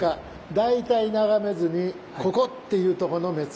「大体眺めずにここ！っていうとこの目付」。